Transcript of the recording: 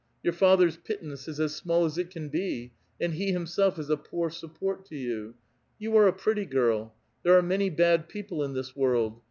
Your father's pittance is as small as it can be, and he himself is a poor support to 30U. You are a pretty girl. There are many bad people in this world.